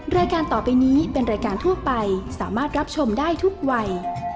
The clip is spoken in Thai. รายการต่อไปนี้เป็นรายการทั่วไปสามารถรับชมได้ทุกวัย